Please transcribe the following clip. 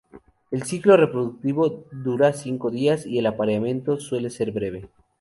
El ciclo reproductivo dura cinco días, y el apareamiento suele ser breve.